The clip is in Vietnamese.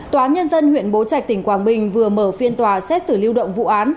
tòa nhân dân huyện bố trạch tỉnh quảng bình vừa mở phiên tòa xét xử lưu động vụ án